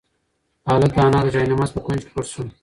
هلک د انا د جاینماز په کونج کې پټ شو.